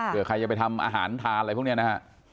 เพื่อใครจะไปทำอาหารทานอะไรพวกนี้นะฮะ